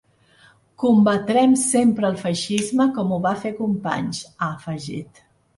Combatrem sempre el feixisme com ho va fer Companys, ha afegit.